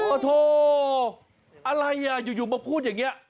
อ่ะโธ่อะไรอะยังมาพูดแบบนี้